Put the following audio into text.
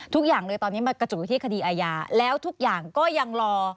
ทุกอย่างเลยตอนนี้มากระจุกอยู่ที่คดีอาญาแล้วทุกอย่างก็ยังรอ